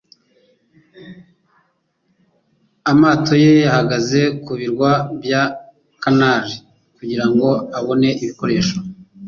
amato ye yahagaze ku birwa bya Canary kugira ngo abone ibikoresho